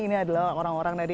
ini adalah orang orang dari